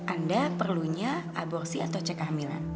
anda perlunya aborsi atau cek kehamilan